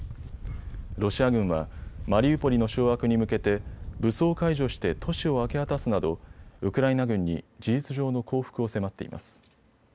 ロシア軍はマリウポリの掌握に向けて武装解除して都市を明け渡すなどウクライナ軍に事実上の降伏を迫っています。